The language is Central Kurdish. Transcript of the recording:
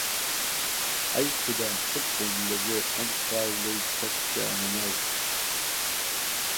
ئەی خودا چ بکەین لەژێر ئەم کاولەی کەس تیا نەماو؟!